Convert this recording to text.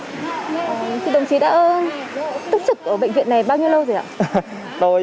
thì đồng chí đã túc trực ở bệnh viện này bao nhiêu lâu rồi ạ